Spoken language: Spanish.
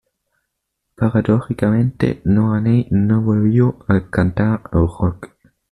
Paradójicamente Nora Ney no volvió a cantar rock.